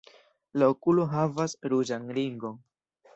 La okulo havas ruĝan ringon.